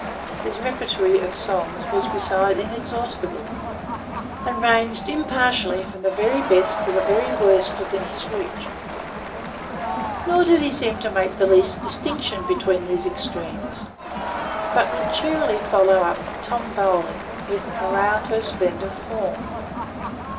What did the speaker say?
His repertory of songs was, besides, inexhaustible, and ranged impartially from the very best to the very worst within his reach. Nor did he seem to make the least distinction between these extremes, but would cheerily follow up 'Tom Bowling' with 'Around her splendid form.